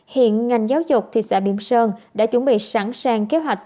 hiện ngành giáo dục thị xã biểm sơn đã chuẩn bị sẵn sàng kế hoạch